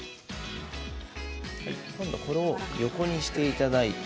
今度これを横にしていただいて。